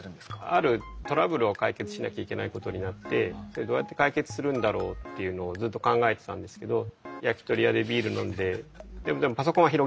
あるトラブルを解決しなきゃいけないことになってそれどうやって解決するんだろうっていうのをずっと考えてたんですけどえっどういう状況ですかそれ。